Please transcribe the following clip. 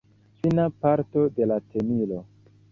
Fina parto de la tenilo.